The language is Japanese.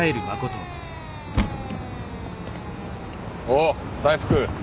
おお大福！